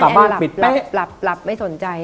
กลับบ้านแอนลับไม่สนใจ